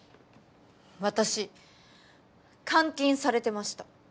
私監禁されてました。